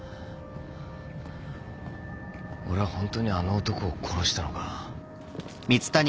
俺はホントにあの男を殺したのか？